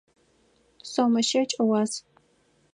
Сомэ щэкӏ ыуас.